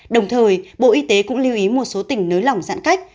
đồng thời bộ y tế cũng lưu ý một số tỉnh nới lỏng giãn cách